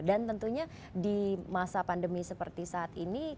dan tentunya di masa pandemi seperti saat ini